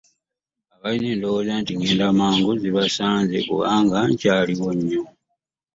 Abalina endowooza nti ŋŋenda mangu zibasanze kubanga nkyaliwo nnyo.